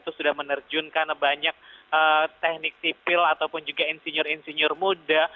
itu sudah menerjunkan banyak teknik sipil ataupun juga insinyur insinyur muda